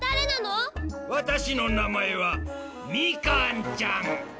わたしのなまえはみかんちゃん！